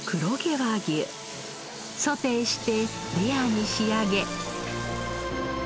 ソテーしてレアに仕上げ。